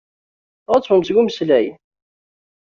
Tɣettbemt deg umeslay.